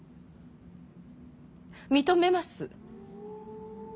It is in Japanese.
認めます。